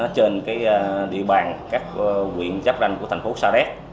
trên địa bàn các huyện giáp danh của thành phố sa đác